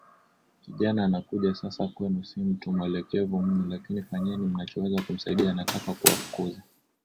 kijana anakuja sasa kwenu Si mtu mwelekevu mno lakini fanyeni mnachoweza kumsaidia anataka kuwafukuza